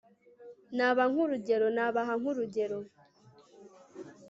naba nk'urugero, nabaha nk'urugero